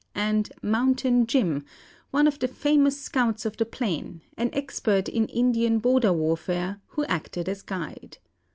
and "Mountain Jim," one of the famous scouts of the plain, an expert in Indian border warfare, who acted as guide.